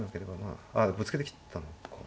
あぶつけてきたのか。